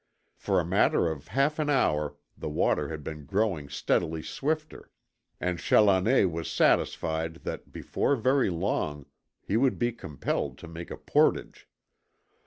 For a matter of half an hour the water had been growing steadily swifter, and Challoner was satisfied that before very long he would be compelled to make a portage.